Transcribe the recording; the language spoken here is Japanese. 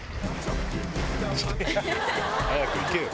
早く行けよ。